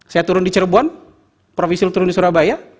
saya turun di cirebon profil turun di surabaya